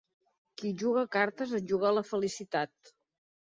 Qui juga a cartes es juga la felicitat.